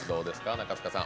中務さん。